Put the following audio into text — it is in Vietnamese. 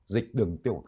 dịch đường tiêu